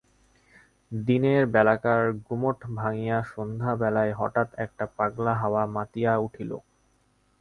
দিনের বেলাকার গুমট ভাঙিয়া সন্ধ্যাবেলায় হঠাৎ একটা পাগলা হাওয়া মাতিয়া উঠিল।